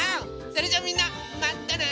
それじゃあみんなまたね！